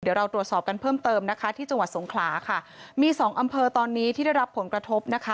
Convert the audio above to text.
เดี๋ยวเราตรวจสอบกันเพิ่มเติมนะคะที่จังหวัดสงขลาค่ะมีสองอำเภอตอนนี้ที่ได้รับผลกระทบนะคะ